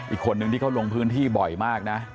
อีกคนนึงที่เขาลงพื้นที่บ่อยมากนะ